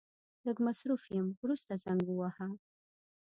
لږ مصرف يم ورسته زنګ وواهه.